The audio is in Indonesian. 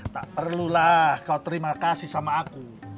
tak perlulah kau terima kasih sama aku